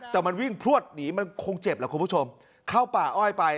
แต่มันวิ่งพลวดหนีมันคงเจ็บแหละคุณผู้ชมเข้าป่าอ้อยไป